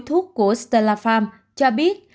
thuốc của stella pharm cho biết